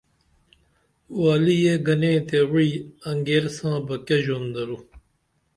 والیے گنے تے وعی انگیر ساں بہ کیہ ژون درو